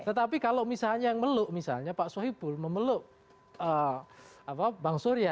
tetapi kalau misalnya yang meluk misalnya pak sohibul memeluk bang surya